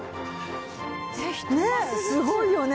ねえすごいよね！